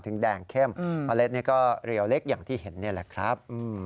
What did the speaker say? แดงเข้มเมล็ดนี่ก็เรียวเล็กอย่างที่เห็นนี่แหละครับ